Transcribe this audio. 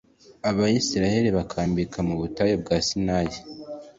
abayisiraheli bakambika mu butayu bwa sinayi